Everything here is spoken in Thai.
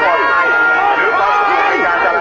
สวัสดีครับ